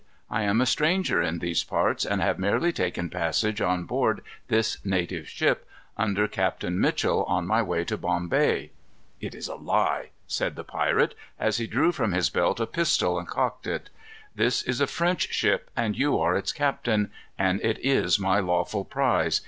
"I am a stranger in these parts, and have merely taken passage on board this native ship, under Captain Mitchel, on my way to Bombay." "It is a lie," said the pirate, as he drew from his belt a pistol and cocked it. "This is a French ship, and you are its captain; and it is my lawful prize.